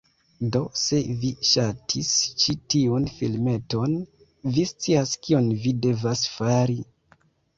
Do se vi ŝatis ĉi tiun filmeton, vi scias kion vi devas fari: